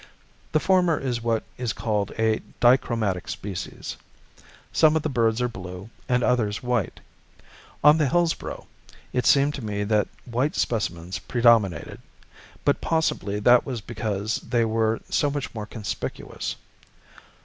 The former is what is called a dichromatic species; some of the birds are blue, and others white. On the Hillsborough, it seemed to me that white specimens predominated; but possibly that was because they were so much more conspicuous.